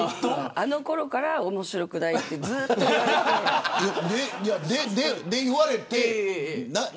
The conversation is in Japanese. あのころから面白くないってずっと言われてますよ。